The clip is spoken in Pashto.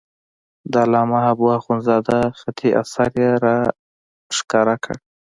د علامه حبو اخندزاده خطي اثر یې را وښکاره کړ.